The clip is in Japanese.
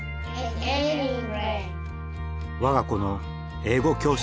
我が子の英語教師。